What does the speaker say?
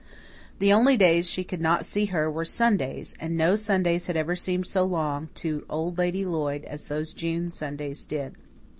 The only days she could not see her were Sundays; and no Sundays had ever seemed so long to Old Lady Lloyd as those June Sundays did.